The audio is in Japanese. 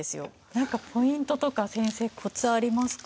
なんかポイントとか先生コツありますか？